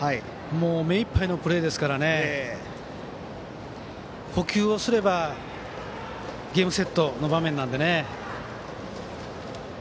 目いっぱいのプレーですから捕球をすればゲームセットの場面なのでね。